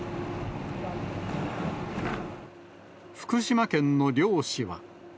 福島県の漁師は。